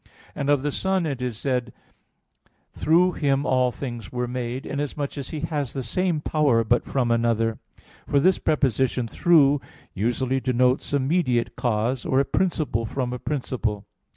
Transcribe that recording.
And of the Son it is said (John 1:3), "Through Him all things were made," inasmuch as He has the same power, but from another; for this preposition "through" usually denotes a mediate cause, or "a principle from a principle."